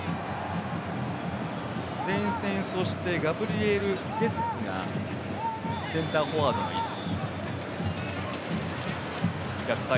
前線、そしてガブリエル・ジェズスがセンターフォワードの位置。